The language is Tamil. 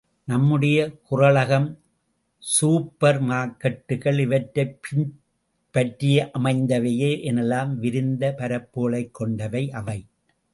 நம்முடைய குறளகம் சூப்பர் மார்க்கெட்டுகள் இவற்றைப் பின்பற்றியமைந்தவையே எனலாம். விரிந்த பரப்புகளைக் கொண்டவை அவை.